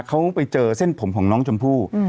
เขาไปเจอเส้นผมของน้องชมพู่